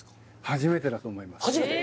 初めてだと思います初めて！？